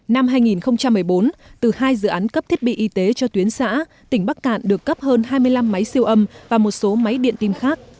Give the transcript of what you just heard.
năm hai nghìn một mươi bốn từ hai dự án cấp thiết bị y tế cho tuyến xã tỉnh bắc cạn được cấp hơn hai mươi năm máy siêu âm và một số máy điện tim khác